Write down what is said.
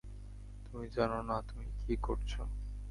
তুমি জান না, তুমি কি করছো।